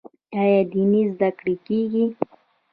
آیا دیني زده کړې کیږي؟